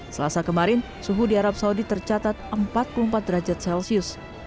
selasa kemarin suhu di arab saudi tercatat empat puluh empat derajat celcius